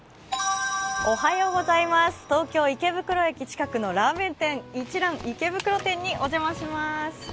東京・池袋駅近くのラーメン店一蘭池袋店にお邪魔します。